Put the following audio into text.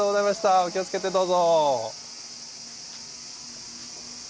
お気をつけてどうぞ。